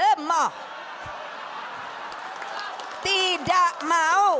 tidak mau tidak mau